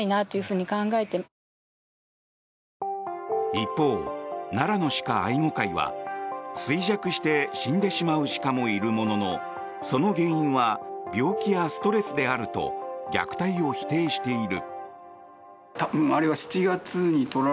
一方、奈良の鹿愛護会は衰弱して死んでしまう鹿もいるもののその原因は病気やストレスであると虐待を否定している。